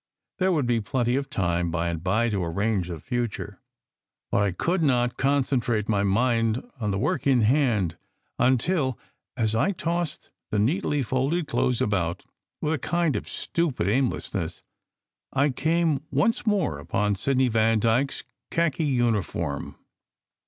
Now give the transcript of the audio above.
There would be plenty of time by and by to arrange the future. But I could not concentrate my mind on the work in hand until, as I tossed the neatly folded clothes about with a kind of stupid aim lessness, I came once more upon Sidney Vandyke s khaki uniform.